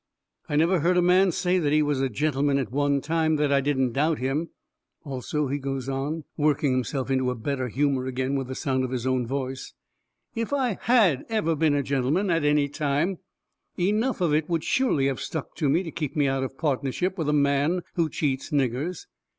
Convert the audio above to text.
I never heard a man say that he was a gentleman at one time, that I didn't doubt him. Also," he goes on, working himself into a better humour again with the sound of his own voice, "if I HAD ever been a gentleman at any time, enough of it would surely have stuck to me to keep me out of partnership with a man who cheats niggers."